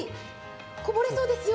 こぼれそうですよ。